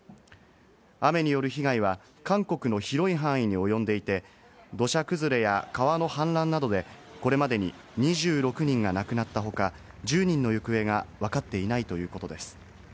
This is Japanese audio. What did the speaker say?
雨による被害は、韓国の広い範囲に及んでいて、土砂崩れや川の氾濫などで、これまでに２６人が亡くなった他、１０人の行方がわかっていないということです。